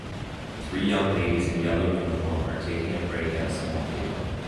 Three young ladies in yellow uniform are taking a break at a small table.